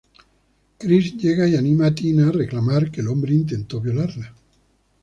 Chris llega y anima a Tina a reclamar que el hombre intentó violarla.